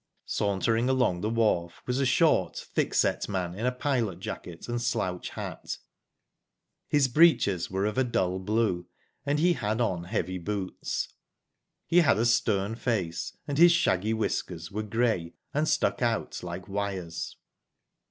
Sauntering along the wharf was a short, thick set man in a pilot jacket, and slouch hat. His breeches were of a dull blue, and he had on heavy boots. He had a stern face, and his shaggy whiskers 'vere grey and stuck out like wires.